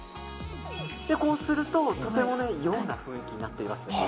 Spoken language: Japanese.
こうするととても陽な雰囲気になっていきます。